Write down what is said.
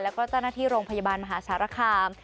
และก็ต้านหน้าที่โรงพยาบาลมหาศาลค่า